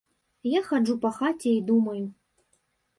Я хаджу па хаце і думаю.